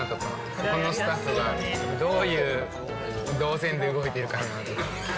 ここのスタッフは、どういう動線で動いているかなとか。